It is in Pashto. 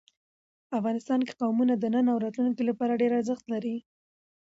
افغانستان کې قومونه د نن او راتلونکي لپاره ډېر ارزښت لري.